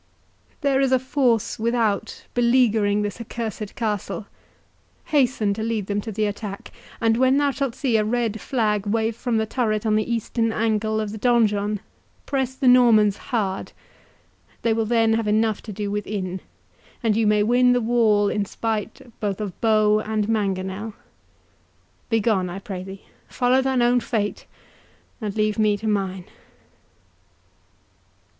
There is a force without beleaguering this accursed castle—hasten to lead them to the attack, and when thou shalt see a red flag wave from the turret on the eastern angle of the donjon, press the Normans hard—they will then have enough to do within, and you may win the wall in spite both of bow and mangonel.—Begone, I pray thee—follow thine own fate, and leave me to mine."